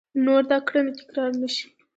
نور دا کړنه تکرار نه شي !